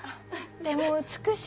でも美しい。